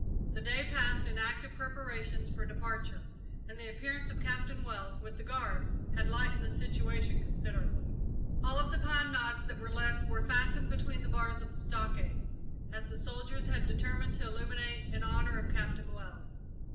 The day passed in active preparations for departure, and the appearance of Captain Wells, with the guard, had lightened the situation considerably. All of the pine knots that were left were fastened between the bars of the stockade, as the soldiers had determined to illuminate in honour of Captain Wells.